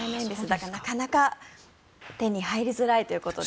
だからなかなか手に入りづらいということです。